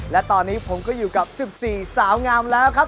และตอนนี้ผมก็อยู่กับ๑๔สาวงามแล้วครับ